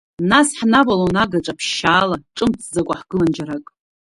Нас ҳнавалон агаҿа ԥшьаала, ҿымҭӡакәа ҳгылан џьарак.